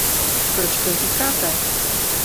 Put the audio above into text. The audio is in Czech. Proč to říkáte?